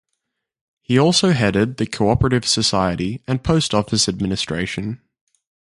He also headed the Cooperative Society and Post Office Administration.